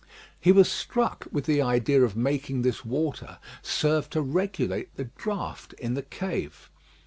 He was struck with the idea of making this water serve to regulate the draught in the cave.